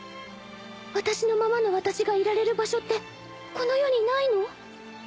私のままの私がいられる場所ってこの世にないの？